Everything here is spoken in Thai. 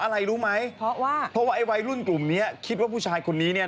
แต่ดูแล้วมันไม่น่าจะใช่นะ